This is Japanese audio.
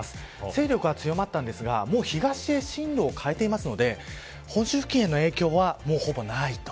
勢力は強まったんですがもう東へ進路を変えていますので本州付近への影響はほぼないと。